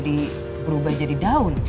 duit itu berubah jadi daun